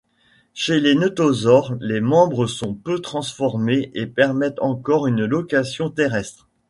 Chez les nothosaures, les membres sont peu transformés et permettent encore une locomotion terrestre.